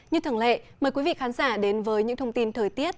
như thường lệ mời quý vị khán giả đến với những thông tin thời tiết